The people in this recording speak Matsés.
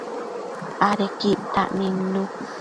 Adequi ictac nidnu